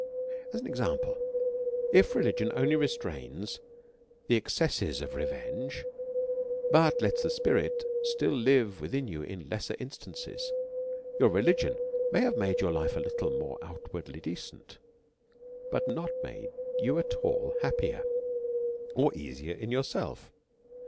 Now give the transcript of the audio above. As for example : If religion only restrains the ex cesses of revenge, but lets the spirit still live withirt you in lesser instances, your religion may have made your life a little more outwardly decent, but not have made you at all happier or easier in yourself.